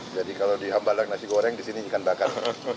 jadi kalau di hambalang nasi goreng di sini ikan bakar